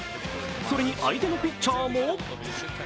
それに相手のピッチャーも。